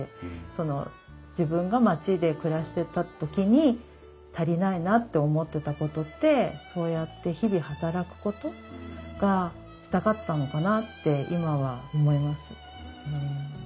その自分が街で暮らしてた時に足りないなと思ってたことってそうやって日々働くことがしたかったのかなって今は思います。